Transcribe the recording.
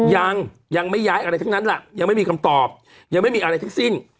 ยังยังไม่ย้ายอะไรทั้งนั้นล่ะยังไม่มีคำตอบยังไม่มีอะไรทั้งสิ้น